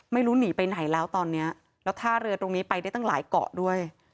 ไม่รู้หนีไปไหนแล้วตอนนี้แล้วท่าเรือตรงนี้ไปได้ตั้งหลายเกาะด้วย